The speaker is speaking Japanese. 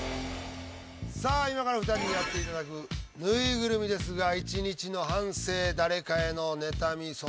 さあ今から２人にやっていただく「ぬいぐるみ」ですが１日の反省誰かへの妬みそねみ恨みつらみ